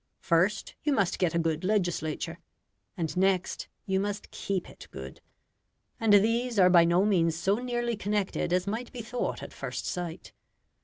First, you must get a good legislature; and next, you must keep it good. And these are by no means so nearly connected as might be thought at first sight.